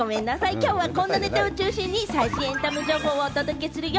きょうはこんなネタを中心に最新エンタメ情報をお届けするよ！